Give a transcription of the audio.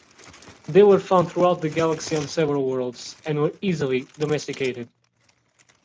They were found throughout the galaxy on several worlds, and are easily domesticated.